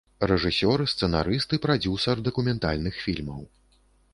Рэжысёр, сцэнарыст і прадзюсар дакументальных фільмаў.